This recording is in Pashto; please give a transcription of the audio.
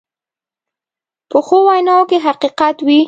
پخو ویناوو کې حقیقت وي